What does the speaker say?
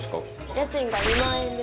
家賃が２万円です。